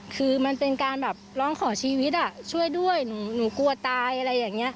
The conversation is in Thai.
คือมันเป็นการแบบร้องขอชีวิตช่วยด้วยหนูกลัวตายอะไรอย่างนี้